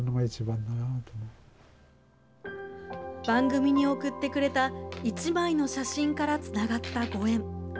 番組に送ってくれた１枚の写真からつながったご縁。